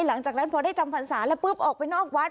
หลังจากนั้นพอได้จำพรรษาแล้วปุ๊บออกไปนอกวัด